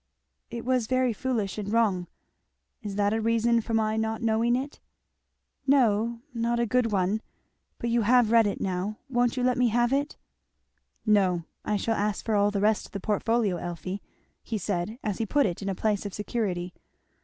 "It was very foolish and wrong " "Is that a reason for my not knowing it?" "No not a good one But you have read it now, won't you let me have it?" "No I shall ask for all the rest of the portfolio, Elfie," he said as he put it in a place of security.